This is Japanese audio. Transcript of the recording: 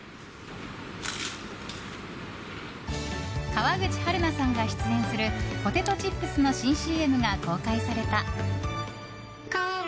川口春奈さんが出演するポテトチップスの新ＣＭが公開された。